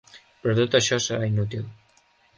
Però tot això serà inútil.